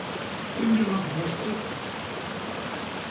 遠慮なく申せ。